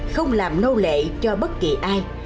không làm nâu lệ cho bất kỳ ai